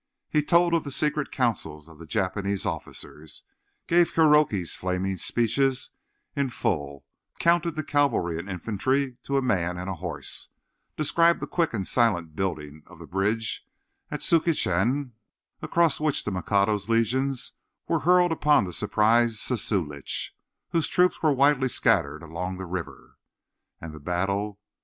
He told of the secret councils of the Japanese officers; gave Kuroki's flaming speeches in full; counted the cavalry and infantry to a man and a horse; described the quick and silent building, of the bridge at Suikauchen, across which the Mikado's legions were hurled upon the surprised Zassulitch, whose troops were widely scattered along the river. And the battle!